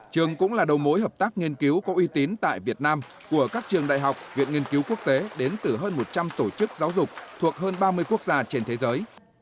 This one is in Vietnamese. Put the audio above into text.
trường cũng là đầu mối hợp tác nghiên cứu có uy tín tại việt nam của các trường đại học viện nghiên cứu quốc tế đến từ hơn một trăm linh tổ chức giáo dục thuộc hơn ba mươi quốc gia trên thế giới